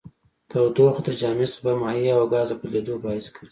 تودوخه د جامد څخه په مایع او ګاز د بدلیدو باعث ګرځي.